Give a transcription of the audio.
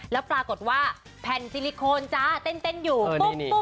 แล้วปรากฏว่าแผ่นซิลิโคนจ้าเต้นอยู่ปุ๊บ